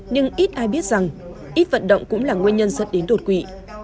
nhưng ít ai biết rằng ít vận động cũng là nguyên nhân dẫn đến đột quỵ